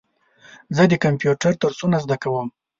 زه د کمپیوټر درسونه زده کوم.